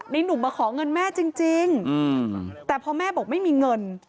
หนุ่มมาขอเงินแม่จริงแต่พอแม่บอกไม่มีเงิน